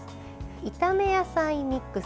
炒め野菜ミックス。